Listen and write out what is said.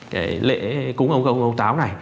cái lễ cúng ông công ông táo này